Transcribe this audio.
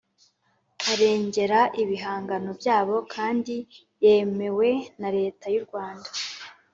Arengera ibihangano byabo kandi yemewe na leta y’u Rwanda